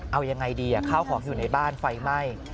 เอายังไงดีข้าวของอยู่ในบ้านไฟไหม้